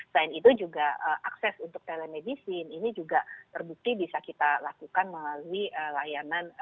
selain itu juga akses untuk telemedicine ini juga terbukti bisa kita lakukan melalui layanan